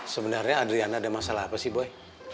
sebenarnya adriana ada masalah apa sih boy